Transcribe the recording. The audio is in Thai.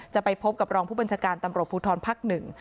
จะไปพบกับรองผู้บัญชาการตำรวจภูทรภักดิ์หนึ่ง